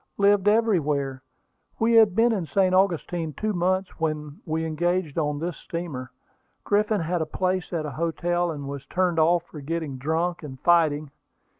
"Lived everywhere; we had been in St. Augustine two months when we engaged on this steamer. Griffin had a place at a hotel, and was turned off for getting drunk, and fighting.